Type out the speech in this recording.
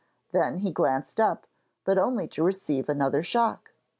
Then he glanced up, but only to receive another shock.